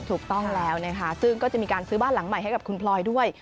ถูกต้องแล้วนะคะซึ่งก็จะมีการซื้อบ้านหลังใหม่ให้กับคุณพลอยด้วย